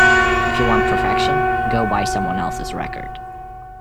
If you want perfection, go buy someone else's record.